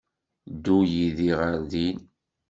Ddu yid-i ɣer din.